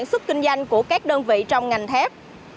các nhà sản xuất kinh doanh của các đơn vị trong ngành thép